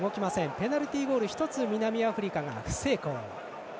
ペナルティーゴール南アフリカが１つ不成功。